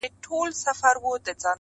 مور له زامنو څخه پټیږي٫